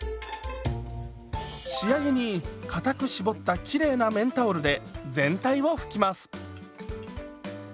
仕上げにかたく絞ったきれいな綿タオルで全体を拭きます。